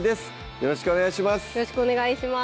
よろしくお願いします